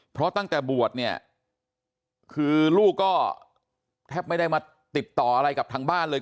เพราะตั้งแต่บวชเนี่ยคือลูกก็แทบไม่ได้มาติดต่ออะไรกับทางบ้านเลย